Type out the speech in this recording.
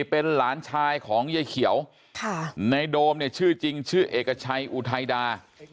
เป็นหลานชายของยายเขียวในโดมเนี่ยชื่อจริงชื่อเอกชัยอุทัยดา